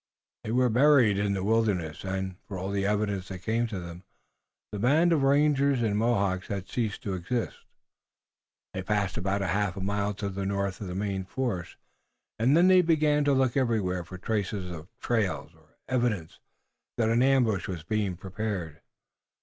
They were buried in the wilderness, and, for all the evidence that came to them, the band of rangers and Mohawks had ceased to exist. They passed about a half mile to the north of the main force, and then they began to look everywhere for traces of trails, or evidence that an ambush was being prepared.